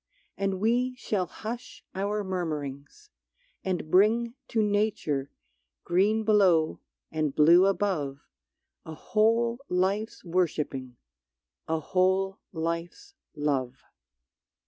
And we shall hush our murmurings, and bring To Nature, green below and blue above, A whole life's worshipping, a whole life's love.